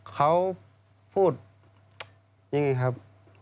เค้าพูดอย่างไรครับ